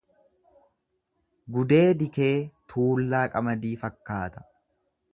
Gudeedi kee tuullaa qamadii fakkaata.